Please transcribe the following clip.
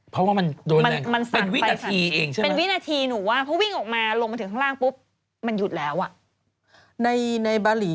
เป็นวินาทีหนูว่าพอวิ่งออกมาลงมาถึงข้างล่างปุ๊บ